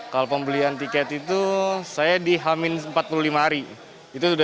kalau pembelian tiket itu saya di hamin empat puluh lima hari